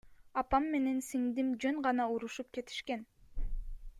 Апам менен сиңдим жөн гана урушуп кетишкен.